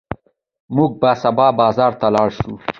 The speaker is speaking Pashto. موږ به سبا بازار ته لاړ شو.